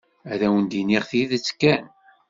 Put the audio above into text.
Ad awen-d-iniɣ tidet kan.